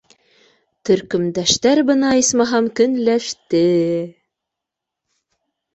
Төркөмдәштәр бына исмаһам көнләште!